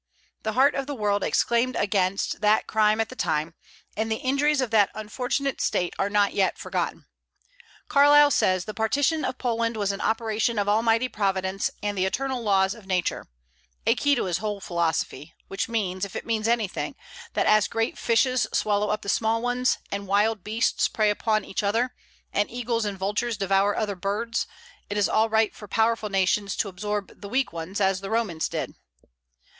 The heart of the world exclaimed against that crime at the time, and the injuries of that unfortunate state are not yet forgotten. Carlyle says the "partition of Poland was an operation of Almighty Providence and the eternal laws of Nature," a key to his whole philosophy, which means, if it means anything, that as great fishes swallow up the small ones, and wild beasts prey upon each other, and eagles and vultures devour other birds, it is all right for powerful nations to absorb the weak ones, as the Romans did.